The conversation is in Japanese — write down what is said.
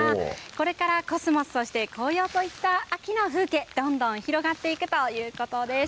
これからコスモス、そして紅葉といった秋の風景、どんどん広がっていくということです。